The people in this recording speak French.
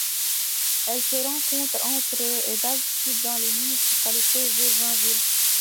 Elle se rencontre entre et d'altitude dans la municipalité de Joinville.